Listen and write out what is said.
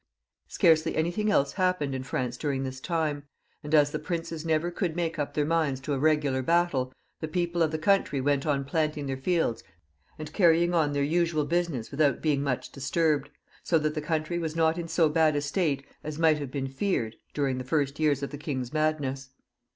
Scarcely anything else happened in France during this time ; and as the princes never could make up their minds to a regular battle, the people of the country we; it on planting their fields, and carrying on their usual business, without being much disturbed ; so that the country was not in so bad a state as might have been feared during the first years of the king^s madness.